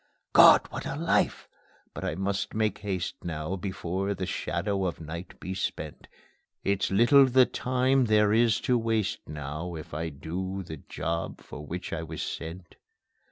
God! What a life! But I must make haste now, Before the shadow of night be spent. It's little the time there is to waste now, If I'd do the job for which I was sent.